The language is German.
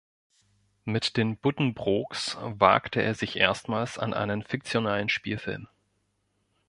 Mit den Buddenbrooks wagte er sich erstmals an einen fiktionalen Spielfilm.